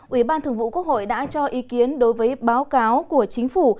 ủy ban thường vụ quốc hội đã cho ý kiến đối với báo cáo của chính phủ